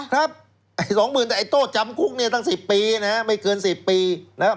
ครับ๒๐๐๐๐แต่ไอ้โต้จำคุกเนี่ยตั้ง๑๐ปีนะครับ